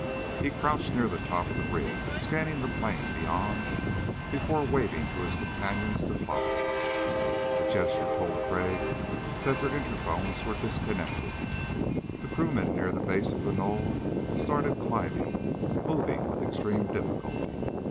He crouched near the top of the ridge, scanning the plain beyond before waving to his companions to follow. The gesture told Crag that their interphones were disconnected. The crewmen near the base of the knoll started climbing, moving with extreme difficulty.